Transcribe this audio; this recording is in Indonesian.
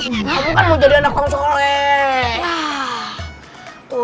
kamu kan mau jadi anak yang soleh